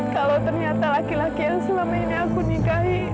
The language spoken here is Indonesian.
kalau ternyata laki laki yang selama ini aku nikahi